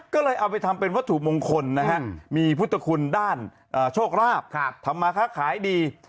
ก็เลยเอาไปทำเป็นวัตถุมงคลนะฮะมีพุทธคุณด้านโชคราบทำมาค้าขายดี